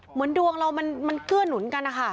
เหมือนดวงเรามันเกื้อหนุนกันนะคะ